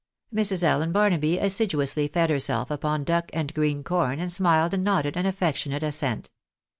Mrs. Allen Barnaby assiduously fed herself upon duck and green corn, and smiled and nodded an affectionate assent.